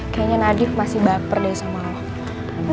kayanya nadif masih baper deh sama lo